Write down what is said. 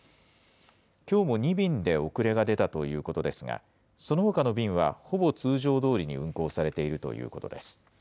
きょうも２便で遅れが出たということですが、そのほかの便はほぼ通常どおりに運航されているということです。